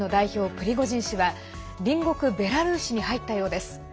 プリゴジン氏は隣国ベラルーシに入ったようです。